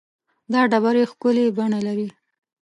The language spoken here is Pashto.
دا ډبرې ښکلې بڼه لري.